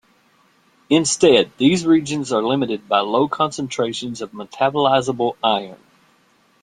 Instead, these regions are limited by low concentrations of metabolizable iron.